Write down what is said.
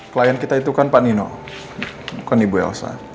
klien kita itu kan pak nino bukan ibu elsa